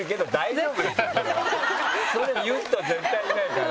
それ言う人は絶対いないから。